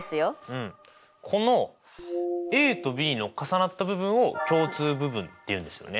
うんこのＡとＢの重なった部分を共通部分って言うんですよね。